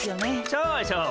そうそう。